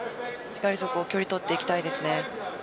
しっかり距離を取っていきたいです。